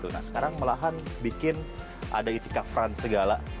nah sekarang malahan bikin ada itikafran segala